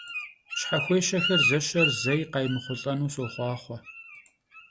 Şhexuêşexer zeşer zei khaymıxhulh'enu soxhuaxhue!